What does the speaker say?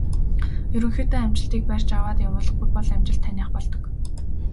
Ерөнхийдөө амжилтыг барьж аваад явуулахгүй бол амжилт таных болдог.